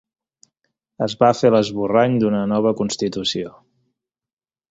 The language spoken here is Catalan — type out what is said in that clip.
Es va fer l'esborrany d'una nova constitució.